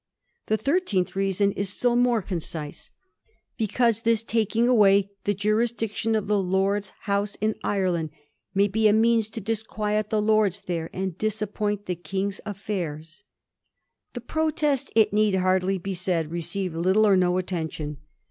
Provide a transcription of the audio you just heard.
The thirteenth reason is still more concise :^ Because this taking away the jurisdiction of the Lords' House in Ireland may be a means to disquiet the Lords there and disappoint the King's affairs.' The protest, it need hardly be said, received little or no attention.